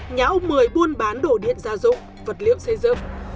nhà ông mười buôn bán đổ điện gia dụng vật liệu xây dựng